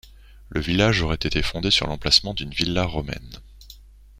Le village aurait été fondé sur l'emplacement d'une villa romaine.